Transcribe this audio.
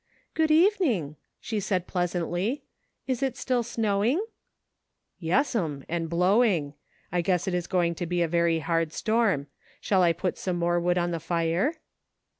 " Good evening," she said pleasantly ;" is it still snowing ?"" Yes'm, and blowing ; I guess it is going to be a very hard storm. Shall I put some more wood on the fire